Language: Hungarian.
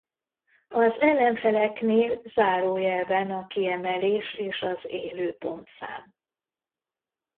Az ellenfeleknél zárójelben a kiemelés és az Élő-pontszám.